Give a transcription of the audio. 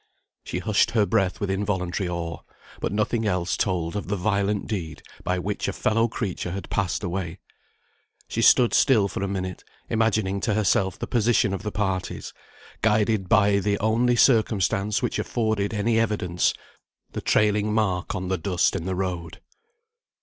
She hushed her breath with involuntary awe, but nothing else told of the violent deed by which a fellow creature had passed away. She stood still for a minute, imagining to herself the position of the parties, guided by the only circumstance which afforded any evidence, the trailing mark on the dust in the road.